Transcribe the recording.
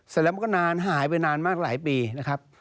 เสร็จแล้วมันก็นานหายไปนานมากหลายปีนะครับ